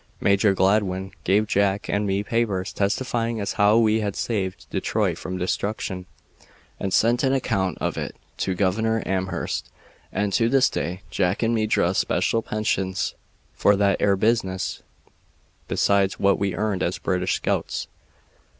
Major Gladwin gave Jack and me papers testifying as how we had saved Detroit from destruction, and sent an account of it to Governor Amherst, and to this day Jack and me draws special pensions for that 'ere business, besides what we earned as British scouts."